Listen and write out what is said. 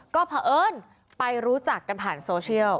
ก็เพราะเอิญไปรู้จักกันผ่านโซเชียล